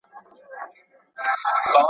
ماریا خپل ټول ژوند د خپل پلار خدمت ته وقف کړ.